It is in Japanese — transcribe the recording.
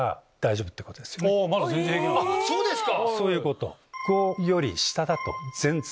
あっそうですか！